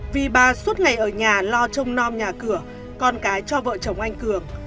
vì bà suốt ngày ở nhà lo trông non nhà cửa con cái cho vợ chồng anh cường